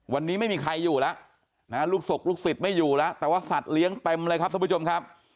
วันนี้ไม่มีใครอยู่แล้วลูกศกลูกศิษย์ไม่อยู่แล้วแต่ว่าสัตว์เลี้ยงเต็มเลยครับท่านผู้ชมครับ